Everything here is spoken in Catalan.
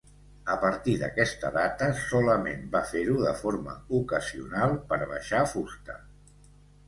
A partir d'aquesta data solament va fer-ho de forma ocasional per baixar fusta.